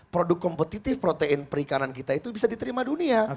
produk kompetitif protein perikanan kita itu bisa diterima dunia